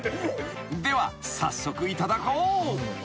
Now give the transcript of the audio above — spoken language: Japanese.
［では早速いただこう］